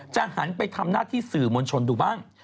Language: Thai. หันไปทำหน้าที่สื่อมวลชนดูบ้าง